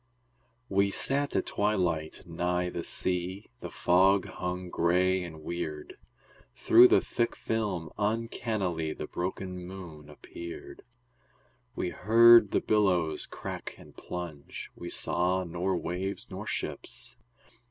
We sat at twilight nigh the sea, The fog hung gray and weird. Through the thick film uncannily The broken moon appeared. We heard the billows crack and plunge, We saw nor waves nor ships.